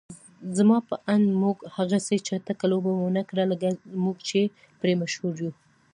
زما په اند موږ هغسې چټکه لوبه ونکړه لکه موږ چې پرې مشهور يو.